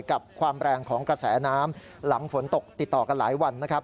กับความแรงของกระแสน้ำหลังฝนตกติดต่อกันหลายวันนะครับ